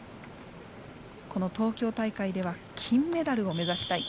この東京大会では金メダルを目指したい。